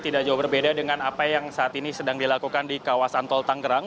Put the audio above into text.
tidak jauh berbeda dengan apa yang saat ini sedang dilakukan di kawasan tol tanggerang